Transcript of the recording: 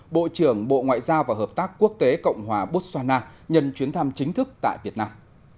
bộ trưởng bộ ngoại giao và hợp tác quốc tế cộng hòa botswana nhân chuyến thăm chính thức tại việt nam